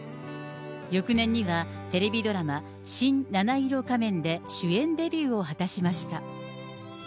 翌年には、テレビドラマ、新七色仮面で、主演デビューを果たしました。